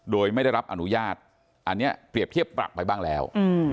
โดยไม่ได้รับอนุญาตอันนี้เปรียบเทียบปรับไปบ้างแล้ว